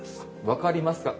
分かりますか？